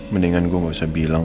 mendingan gue gak usah bilang